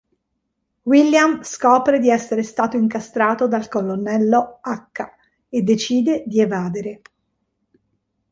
William scopre di essere stato incastrato dal Colonnello H e decide di evadere.